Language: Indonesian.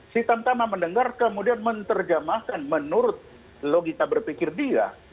si tantama mendengar kemudian menerjamahkan menurut logika berpikir dia